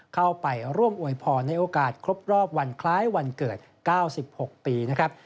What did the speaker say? เข้าไปร่วมอวยพรในโอกาสครบรอบวันคล้ายวันเกิด๙๖ปีนะครับ